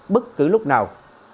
bất cứ lúc nào